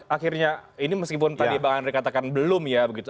akhirnya ini meskipun tadi bang andri katakan belum ya begitu